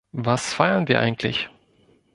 Was feiern wir eigentlich?